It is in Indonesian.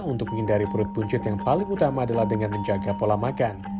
untuk menghindari perut buncit yang paling utama adalah dengan menjaga pola makan